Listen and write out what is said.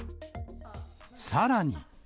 さらに。